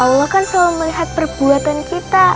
allah kan selalu melihat perbuatan kita